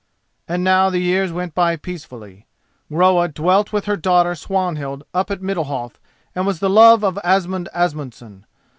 And now the years went by peacefully. Groa dwelt with her daughter Swanhild up at Middalhof and was the love of Asmund Asmundson.